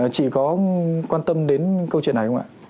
chị có quan tâm đến câu chuyện này không ạ